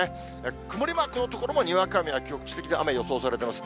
曇りマークの所も、にわか雨や局地的な雨予想されています。